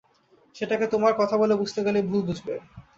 সেটাকে তোমার কথা বলে বুঝতে গেলেই ভুল বুঝবে।